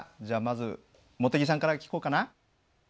じゃあまず茂木さんから聞こうかな。